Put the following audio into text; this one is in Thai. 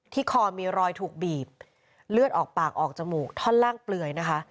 คอมีรอยถูกบีบเลือดออกปากออกจมูกท่อนล่างเปลือยนะคะ